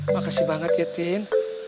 makasih banget ya tien